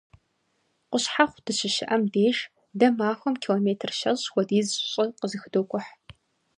Къущхьэхъу дыщыщыӀэм деж, дэ махуэм километр щэщӏ хуэдиз щӀы къызэхыдокӀухь.